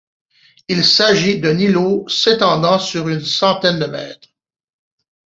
Il s'agit d'un îlot s'étendant sur une centaine de mètres.